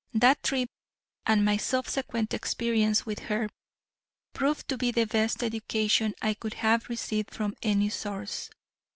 That trip and my subsequent experience with her proved to be the best education I could have received from any source.